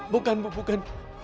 bukan bu bukan